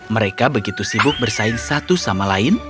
mereka begitu sibuk bersaing satu sama lain